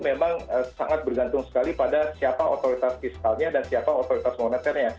memang sangat bergantung sekali pada siapa otoritas fiskalnya dan siapa otoritas moneternya